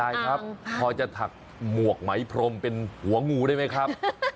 ครับพอจะถักหมวกไหมพรมเป็นหัวงูได้ไหมครับ